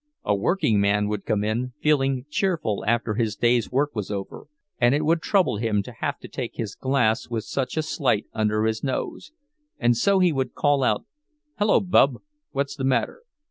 A workingman would come in, feeling cheerful after his day's work was over, and it would trouble him to have to take his glass with such a sight under his nose; and so he would call out: "Hello, Bub, what's the matter?